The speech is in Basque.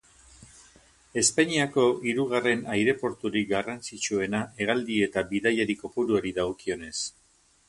Espainiako hirugarren aireporturik garrantzitsuena hegaldi eta bidaiari kopuruari dagokionez.